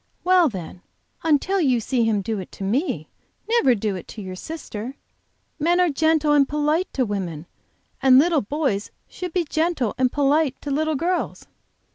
"Well then, until you see him do it to me, never do it to your sister. Men are gentle and polite to women, and little boys should be gentle and polite to little girls."